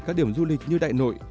các điểm du lịch như đại nội